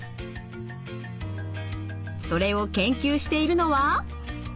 それを研究しているのは。